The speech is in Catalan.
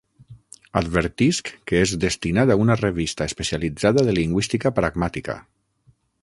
Advertisc que és destinat a una revista especialitzada de lingüística pragmàtica.